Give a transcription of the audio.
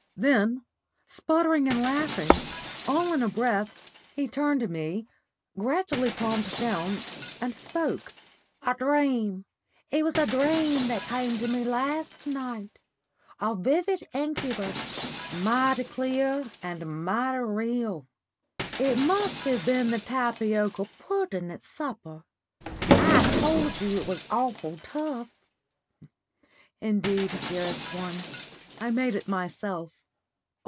Then, spluttering and laughing, all in a breath, he turned to me, gradually calmed down, and spoke: "A dream it was a dream that came to me last night a vivid incubus, mighty clear and mighty real. It must have been the tapioca pudden at supper. I told you it was awful tough." "Indeed, dearest one, I made it myself."